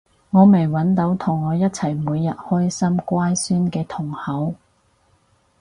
我未搵到同我一齊每日關心乖孫嘅同好